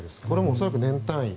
恐らく年単位。